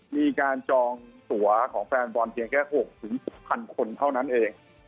มีการจองตัวของแฟนบอลเพียงแค่๖๖๐๐คนเท่านั้นเอง